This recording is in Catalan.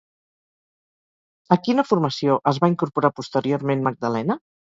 A quina formació es va incorporar posteriorment Magdalena?